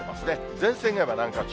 前線が今、南下中。